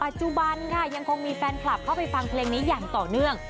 จุบันค่ะยังคงมีแฟนคลับเข้าไปฟังเพลงนี้อย่างต่อเนื่อง